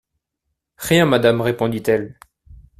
Rien, madame, répondit-elle.